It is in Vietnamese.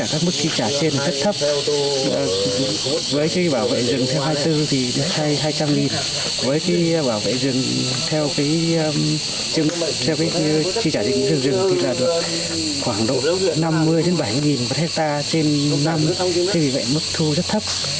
tất cả các mức trị trả tiền rất thấp